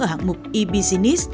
ở hạng mục ebitda